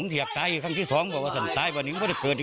ตายที่แรกตายที่สองป่ะเที่ยงแพ่